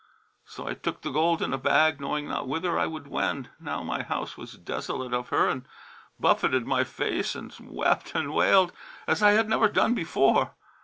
So I took the gold in a bag, knowing not whither I should wend, now my house was desolate of her and buffeted my face and wept and wailed as I had never done before.